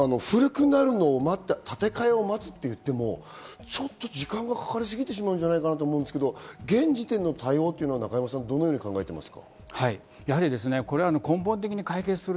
そう考えた場合、古くなるのを待って建て替えを待つといっても、ちょっと時間がかかりすぎてしまうんじゃないかなと思うんですけど、現時点での対応は永山さん、どのように考えていますか？